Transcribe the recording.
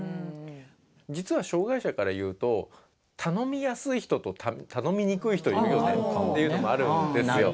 実は障害者から言うと頼みやすい人と頼みにくい人いるよねっていうのもあるんですよ。